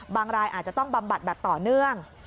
รายอาจจะต้องบำบัดแบบต่อเนื่อง